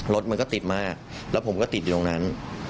รถมันก็ติดมากแล้วผมก็ติดอยู่ตรงนั้น